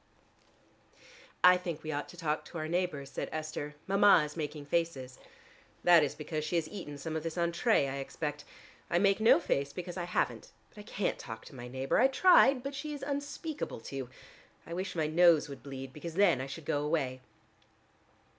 "I think we ought to talk to our neighbors," said Esther. "Mama is making faces." "That is because she has eaten some of this entrée, I expect. I make no face because I haven't. But I can't talk to my neighbor. I tried, but she is unspeakable to. I wish my nose would bleed, because then I should go away."